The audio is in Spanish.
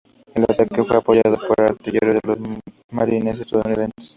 El ataque fue apoyado por artilleros de los Marines estadounidenses.